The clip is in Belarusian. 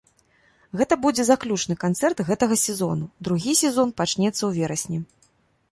Гэта будзе заключны канцэрт гэтага сезону, другі сезон пачнецца ў верасні.